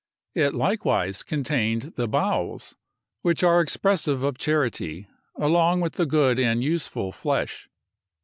It likewise contained the bowels, which are expressive of charity, along with the good and useful flesh.